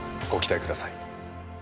ご期待ください。